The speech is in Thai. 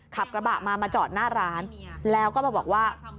ขับกระบะมามาจอดหน้าร้านแล้วก็มาบอกว่า